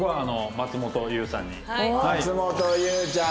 松本優ちゃん。